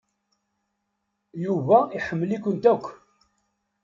Yuba iḥemmel-ikent akk.